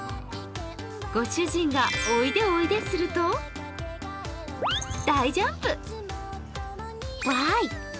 ご主人がおいでおいですると大ジャンプ。